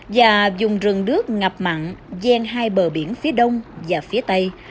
và dùng rừng nước ngập mặn gian hai bờ biển phía đông và phía tây